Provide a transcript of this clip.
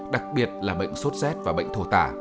đặc biệt là bệnh sốt rét và bệnh thổ tả